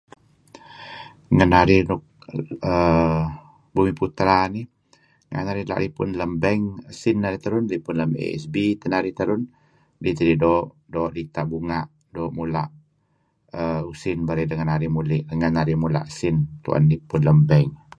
Ngen narih nuk Bumiputra nih la' narih la' ripun usin lem bank ripun lem ASB teh narih terun idih tidih doo', doo' dita' bunga' doo' mula err usin berey deh ngen narih muli' renga' narih mula' sin tu'en ripun lem bank.